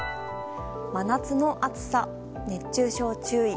真夏の暑さ、熱中症注意。